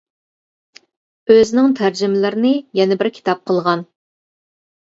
ئۆزىنىڭ تەرجىمىلىرىنى يەنە بىر كىتاب قىلغان.